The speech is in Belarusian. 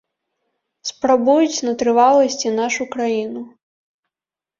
Спрабуюць на трываласць і нашу краіну.